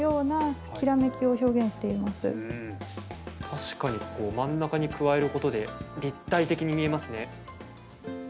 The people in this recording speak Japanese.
確かに真ん中に加えることで立体的に見えますね。